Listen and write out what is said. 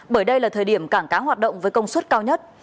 bởi đây là thời điểm cảng cá hoạt động với công suất cao nhất